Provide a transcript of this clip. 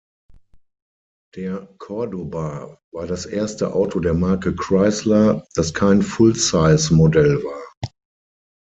Der Cordoba war das erste Auto der Marke Chrysler, das kein "Full-Size"-Modell war.